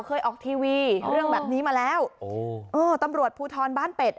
เคยออกทีวีเรื่องแบบนี้มาแล้วโอ้เออตำรวจภูทรบ้านเป็ด